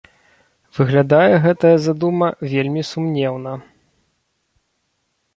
Выглядае гэтая задума вельмі сумнеўна.